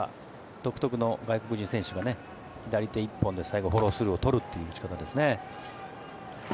独特の外国人選手の左手１本で最後フォロースルーを取るという打ち方ですね。